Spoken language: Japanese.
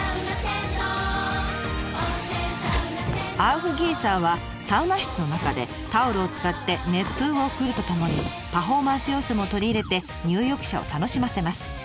アウフギーサーはサウナ室の中でタオルを使って熱風を送るとともにパフォーマンス要素も取り入れて入浴者を楽しませます。